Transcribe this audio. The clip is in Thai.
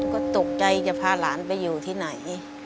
ก็ตกใจจะพาหลานไปอยู่ที่ไหน